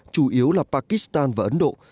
chủ yếu là pakistan và ấn độ